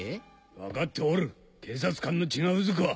分かっておる警察官の血がうずくわ。